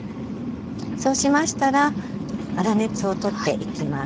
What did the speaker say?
そうしましたら粗熱を取っていきます。